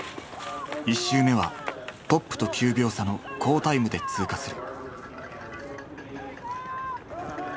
１周目はトップと９秒差の好タイムで通過する。